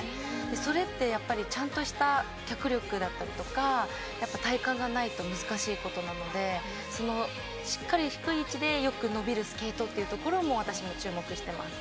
それってちゃんとした脚力だったりとか体幹がないと難しいことなのでしっかり低い位置でよく伸びるスケートというところも私も注目しています。